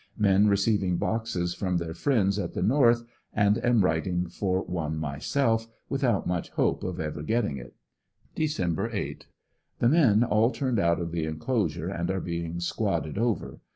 Men receiving boxes from their friends at the north and am writing for one myself without much hope of ever getting it. Dec. 8. — The men all turned out of the enclosure and are being squadded over.